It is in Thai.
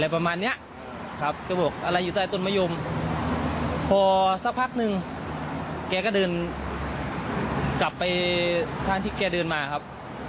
พอสักพักหนึ่งแกก็เดินกลับไปทางที่แกเดินมาครับ